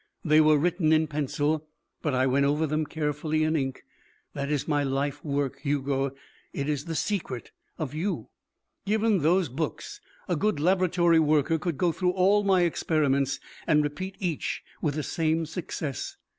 They were written in pencil, but I went over them carefully in ink. That is my life work, Hugo. It is the secret of you. Given those books, a good laboratory worker could go through all my experiments and repeat each with the same success.